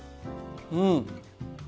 うん！